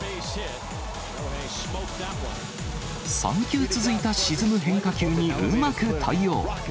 ３球続いた沈む変化球にうまく対応。